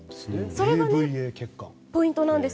それがポイントなんです。